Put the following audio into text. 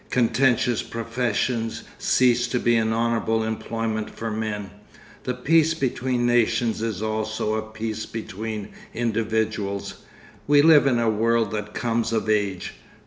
Contentious professions cease to be an honourable employment for men. The peace between nations is also a peace between individuals. We live in a world that comes of age.